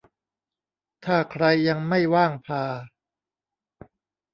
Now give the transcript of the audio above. ถ้าใครยังไม่ว่างผ่า